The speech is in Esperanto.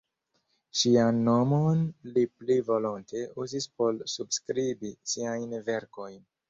Ŝian nomon li pli volonte uzis por subskribi siajn verkojn.